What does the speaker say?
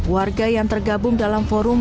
warga yang tergabung dalam forum